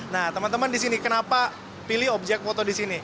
nah teman teman di sini kenapa pilih objek foto di sini